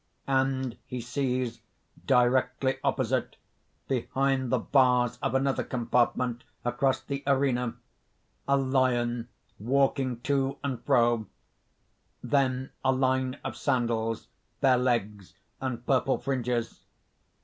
_ _And he sees, directly opposite, behind the bars of another compartment across the arena a lion walking to and fro, then a line of sandals, bare legs, and purple fringes.